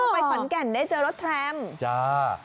ไปขอนแก่นได้เจอรสทรัม